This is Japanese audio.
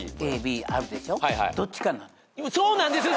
どっちなんですか？